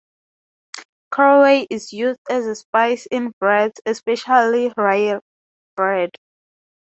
Caraway is used as a spice in breads, especially rye bread.